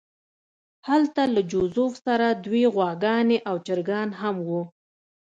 هلته له جوزف سره دوې غواګانې او چرګان هم وو